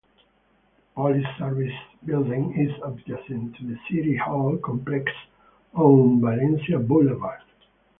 The police services building is adjacent to the City Hall complex on Valencia Boulevard.